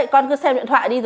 con cứ xem điện thoại đi